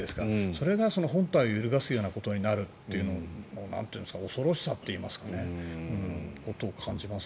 それが本体を揺るがすようなことになるというのは恐ろしさといいますかねということを感じます。